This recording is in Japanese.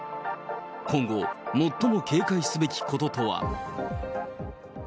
今後、最も警戒すべきこととは。